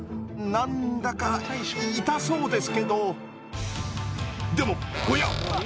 何だか痛そうですけどでもおや？